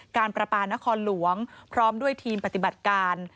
การประปานครหลวงพร้อมด้วยทีมปฏิบัติการ